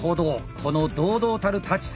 この堂々たる立ち姿。